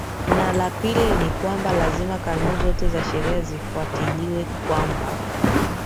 na la pili ni kwamba lazima kanuni zote za sheria zifwatiliwe kwamba